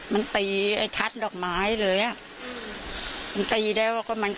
มันก็ล่า